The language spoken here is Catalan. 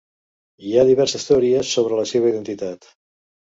Hi ha diverses teories sobre la seva identitat.